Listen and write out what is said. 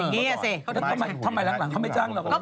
ทำไมหลังเขาไม่จ้างเรากันแล้ว